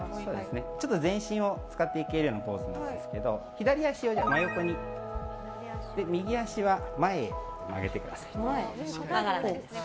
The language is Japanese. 全身を使っていけるようなポーズになるんですけど左足を真横に右足は前へ曲げてください。